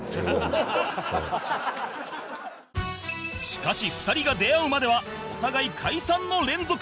しかし２人が出会うまではお互い解散の連続